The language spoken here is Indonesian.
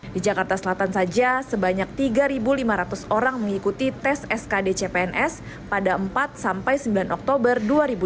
di jakarta selatan saja sebanyak tiga lima ratus orang mengikuti tes skd cpns pada empat sampai sembilan oktober dua ribu dua puluh